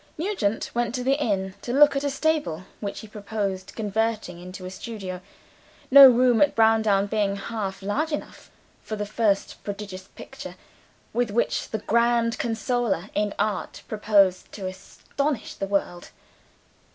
Nugent went to the inn, to look at a stable which he proposed converting into a studio: no room at Browndown being half large enough, for the first prodigious picture with which the "Grand Consoler" in Art proposed to astonish the world.